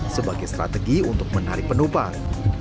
sebagai strategi untuk menarik penumpang